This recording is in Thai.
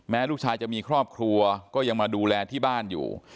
ลูกชายจะมีครอบครัวก็ยังมาดูแลที่บ้านอยู่